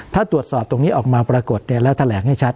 ถ้าตรวจสอบตรงนี้ออกมาปรากฏแล้วแถลงให้ชัด